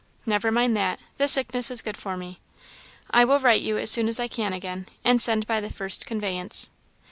Never mind that; the sickness is good for me. "I will write you as soon as I can again, and send by the first conveyance.